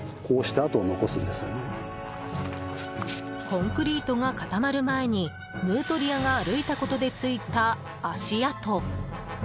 コンクリートが固まる前にヌートリアが歩いたことでついた足跡。